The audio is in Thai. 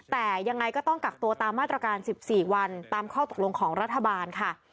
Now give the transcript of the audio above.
แต่ยังไงก็ต้องกักตัวตามมาตรการ๑๔วันตามข้อตกลงของรัฐบาลค่ะ